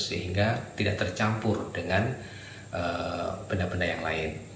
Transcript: sehingga tidak tercampur dengan benda benda yang lain